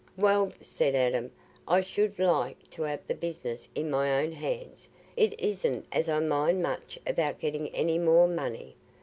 "Well," said Adam, "I should like t' have the business in my own hands. It isn't as I mind much about getting any more money.